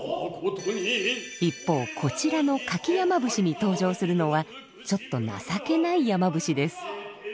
一方こちらの「柿山伏」に登場するのはちょっと情けない山伏です。